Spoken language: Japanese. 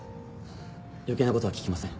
余計なことは聞きません。